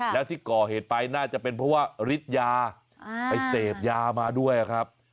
แล้วที่ก่อเหตุไปน่าจะเป็นเพราะว่าฤทธิ์ยาไปเสพยามาด้วยครับ